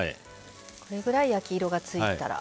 これぐらい焼き色がついたら。